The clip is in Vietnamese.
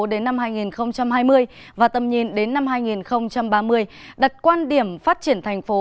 đến năm hai nghìn hai mươi và tầm nhìn đến năm hai nghìn ba mươi đặt quan điểm phát triển thành phố